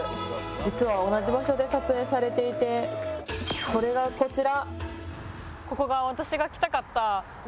実は同じ場所で撮影されていてそれが、こちら。